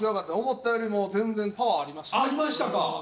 思ったよりも全然パワーありましたありましたか？